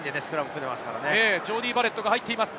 ジョーディー・バレットが入っています。